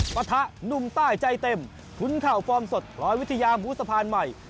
ปะทะหนุ่มใต้ใจเต็มขุนเข่าฟอร์มสดพลอยวิทยาบูสะพานใหม่